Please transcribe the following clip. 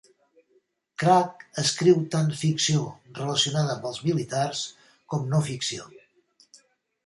Cragg escriu tant ficció relacionada amb els militars com no ficció.